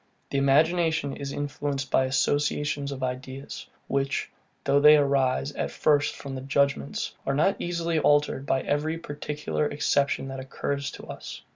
The imagination is influenced by associations of ideas; which, though they arise at first from the judgement, are not easily altered by every particular exception that occurs to us.